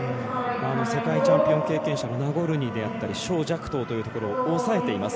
世界チャンピオン経験者のナゴルニーであったり蕭若騰というところを抑えています。